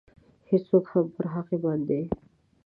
هېڅوک هم پر هغه باندې.